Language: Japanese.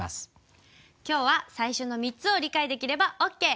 今日は最初の３つを理解できればオーケー。